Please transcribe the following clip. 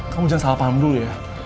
kamu jangan salah paham dulu ya